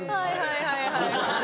はいはいはいはい。